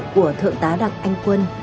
của thượng tá đặng anh quân